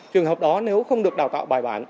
trường hợp đó nếu không được đào tạo bài